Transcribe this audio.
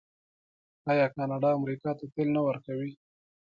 آیا کاناډا امریکا ته تیل نه ورکوي؟